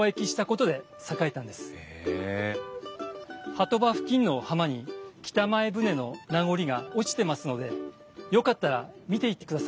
波止場付近の浜に北前船の名残が落ちてますのでよかったら見ていってください。